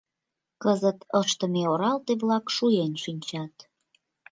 Кызыт ыштыме оралте-влак шуэн шинчат.